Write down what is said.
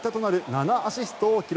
７アシストを記録。